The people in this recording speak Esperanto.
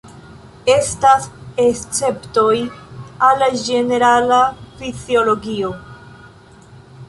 Estas esceptoj al la ĝenerala fiziologio.